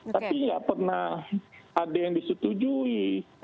tapi nggak pernah ada yang disetujui